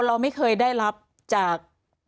เราไม่เคยได้รับจาก